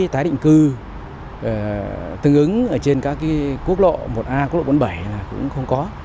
tương ứng ở trên các quốc lộ một a quốc lộ bốn mươi bảy cũng không có